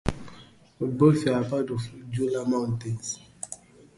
Both are part of the Jura Mountains.